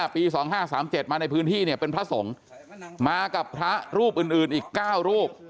ปี๒๕๓๗มาในพื้นที่เป็นพระสงฆ์มากับพระรูปอื่นอีก๙รูป